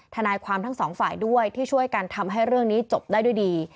ทนายความทั้งสองฝ่ายด้วยที่ช่วยกันทำให้เรื่องนี้จบได้ด้วยดี